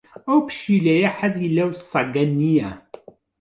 ئەو پشیلەیە حەزی لەو سەگە نییە.